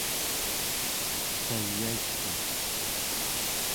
cayailkun